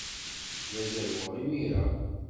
La zerrweɣ imir-a.